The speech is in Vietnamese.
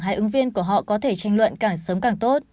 hai ứng viên của họ có thể tranh luận càng sớm càng tốt